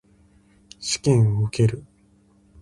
試験を受ける。